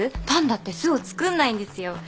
パンダって巣をつくんないんですよ。